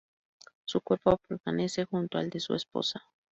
Su cuerpo permanece junto al de su esposa.